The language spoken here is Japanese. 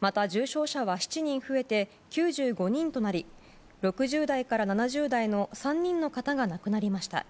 また、重症者は７人増えて９５人となり６０代から７０代の３人の方が亡くなりました。